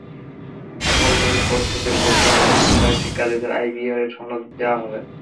সফলভাবে কোর্স শেষে কোর্সে অংশগ্রহণকারী শিক্ষার্থীদের আইবিএ থেকে সনদ দেওয়া হবে।